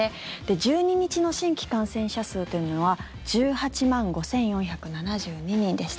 １２日の新規感染者数というのは１８万５４７２人でした。